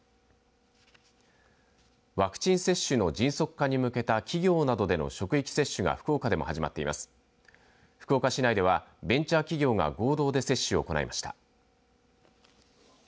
ワクチン接種の迅速化に向けた企業などでの職域接種が福岡でも始まっています。